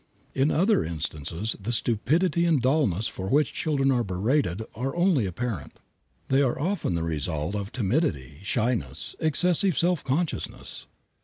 In other instances the stupidity and dullness for which children are berated are only apparent. They are often the result of timidity, shyness, excessive self consciousness.